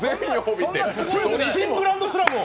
新グランドスラムを。